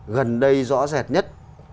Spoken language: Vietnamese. gần đây rõ rệt nhất